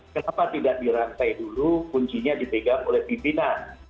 kenapa tidak dirantai dulu kuncinya di pegang oleh pembinaan